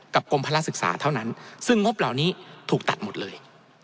กรมภาระศึกษาเท่านั้นซึ่งงบเหล่านี้ถูกตัดหมดเลย